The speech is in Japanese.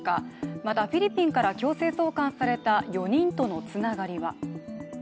また、フィリピンから強制送還された４人とのつながりは。